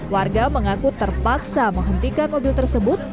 warga mengaku terpaksa menghentikan mobil tersebut